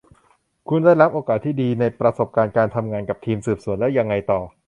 คุณได้รับโอกาสที่ดีในประสบการณ์การทำงานกับทีมสืบสวน แล้วยังไงต่อ